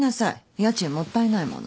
家賃もったいないもの。